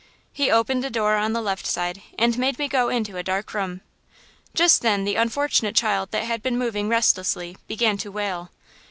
He opened a door on the left side and made me go into a dark room. Just then the unfortunate child that had been moving restlessly began to wail.